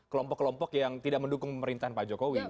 kelompok kelompok yang tidak mendukung pemerintahan pak jokowi